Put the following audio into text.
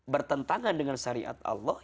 bertentangan dengan syariat allah